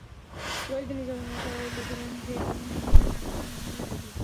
ললিতা নিজে অভিমানী স্বভাবের লোক, বিনয়ের মুখের এই অভিমানবাক্য তাহার ভালোই লাগিল।